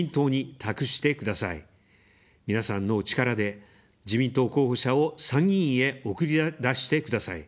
皆さんのお力で、自民党候補者を参議院へ送り出してください。